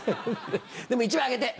でも１枚あげて。